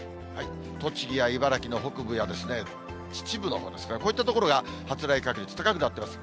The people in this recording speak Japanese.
栃木や茨城の北部や、秩父のほうですね、こういった所が発雷確率高くなってます。